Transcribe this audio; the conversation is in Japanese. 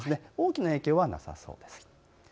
大きな影響はなさそうです。